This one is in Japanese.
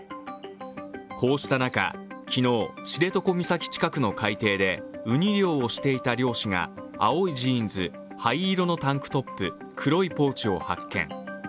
こうした中、昨日、知床岬近くの海底でうに漁をしていた漁師が青いジーンズ、灰色のタンクトップ、黒いポーチを発見。